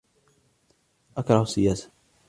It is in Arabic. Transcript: أكره السياسة.